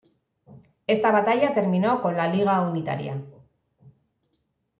Esta batalla terminó con la Liga Unitaria.